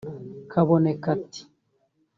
Kaboneka ati